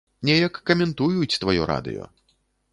Неяк каментуюць тваё радыё.